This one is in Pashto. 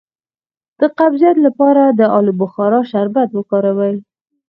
د قبضیت لپاره د الو بخارا شربت وکاروئ